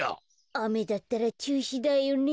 あめだったらちゅうしだよね。